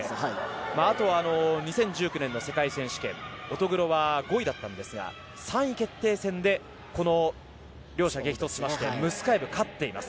あとは２０１９年の世界選手権乙黒拓斗は５位だったんですが３位決定戦でこの両者激突しましてムスカエブ勝っています